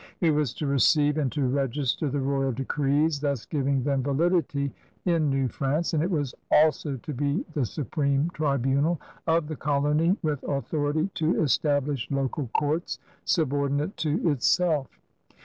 It was to receive and to roister the royal decrees, thus giving them validity in New France, and it was also to be the supreme tribunal of the colony with authority to establish local courts subordinate to itself.